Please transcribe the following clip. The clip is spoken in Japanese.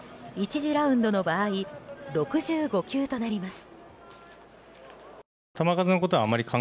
次ラウンドの場合６５球となります。